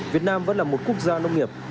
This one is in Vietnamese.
việt nam vẫn là một quốc gia nông nghiệp